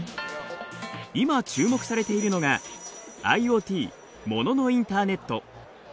今注目されているのがＩｏＴモノのインターネット。